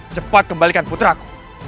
cepat kembalikan putramu